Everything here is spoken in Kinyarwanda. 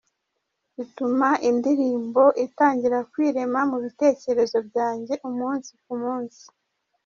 Bituma indirimbo itangira kwirema mu bitekerezo byanjye umunsi ku munsi”.